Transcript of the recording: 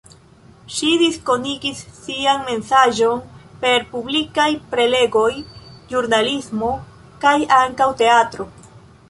Ŝi diskonigis sian mesaĝon per publikaj prelegoj, ĵurnalismo kaj ankaŭ teatro.